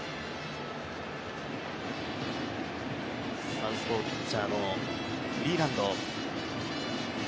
サウスポーピッチャーのフリーランド。